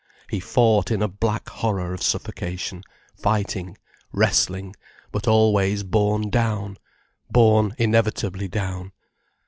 He fought in a black horror of suffocation, fighting, wrestling, but always borne down, borne inevitably down.